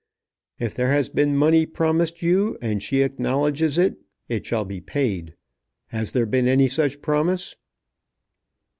If there has been money promised you, and she acknowledges it, it shall be paid. Has there been any such promise?"